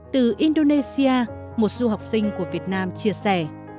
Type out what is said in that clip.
từ indonesia một du học sinh của việt nam chia sẻ